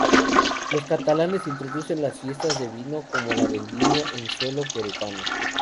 Los catalanes introducen las fiestas de vino como la Vendimia en suelo queretano.